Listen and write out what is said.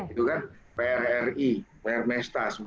itu kan pri prmesta semua